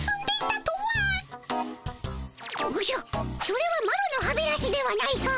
それはマロの歯ベラシではないか！